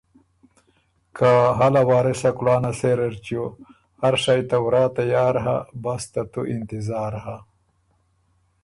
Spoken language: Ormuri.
که هله وارثه کُلانه سېره ر چیو، هر شئ ته ورا تیار هۀ بس ترتُو انتظار هۀ۔